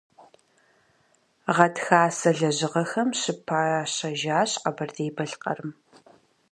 Гъатхасэ лэжьыгъэхэм щыпащэжащ Къэбэрдей-Балъкъэрым.